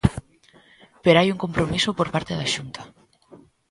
Pero hai un compromiso por parte da Xunta.